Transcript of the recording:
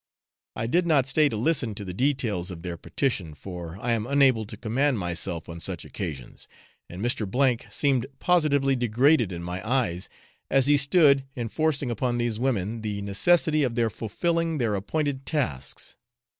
I did not stay to listen to the details of their petition, for I am unable to command myself on such occasions, and Mr. seemed positively degraded in my eyes, as he stood enforcing upon these women the necessity of their fulfilling their appointed tasks.